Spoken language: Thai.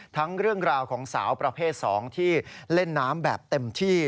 เรื่องราวของสาวประเภท๒ที่เล่นน้ำแบบเต็มที่